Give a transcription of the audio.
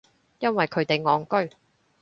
因為佢哋戇居